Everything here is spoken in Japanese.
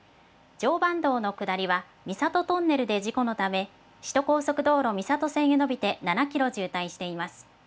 常磐道の下りは、三郷トンネルで事故のため、首都高速道路みさと線へ延びて７キロ渋滞しています。